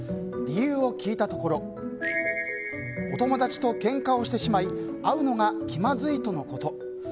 理由を聞いたところお友達とけんかをしてしまい会うのが気まずいとのこと。